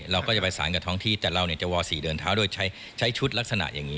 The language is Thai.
เราก็จะไปสารกับท้องที่แต่เราจะว๔เดินเท้าโดยใช้ชุดลักษณะอย่างนี้